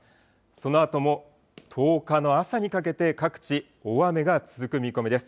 そのあとも１０日の朝にかけて、各地大雨が続く見込みです。